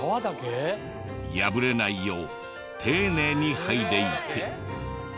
破れないように丁寧にはいでいき。